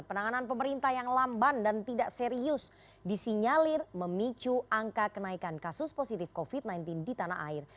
penanganan pemerintah yang lamban dan tidak serius disinyalir memicu angka kenaikan kasus positif covid sembilan belas di tanah air